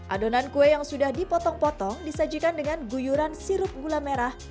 adonan kue yang sudah dipotong potong disajikan dengan guyuran sirup gula merah